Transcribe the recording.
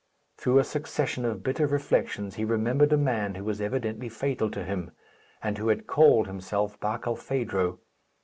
Through a succession of bitter reflections he remembered a man who was evidently fatal to him, and who had called himself Barkilphedro.